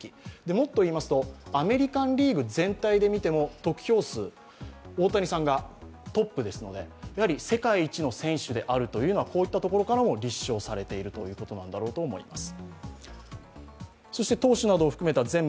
もっといいますとアメリカン・リーグ全体で見ても得票数、大谷さんがトップですので世界一の選手であるというのは、こういったところからも立証されているということだと思います。